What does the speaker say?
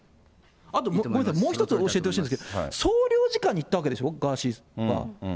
あともう１つ教えてほしいんですけど、総領事館に行ったわけでしょ、ガーシーさんは。